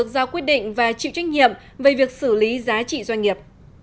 hồ giao quyết định và chịu trách nhiệm về việc xử lý giá trị doanh nghiệp